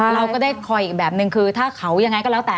เราก็ได้คอยอีกแบบนึงคือถ้าเขายังไงก็แล้วแต่